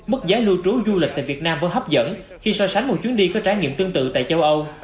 mức giá lưu trú du lịch tại việt nam vẫn hấp dẫn khi so sánh một chuyến đi có trải nghiệm tương tự tại châu âu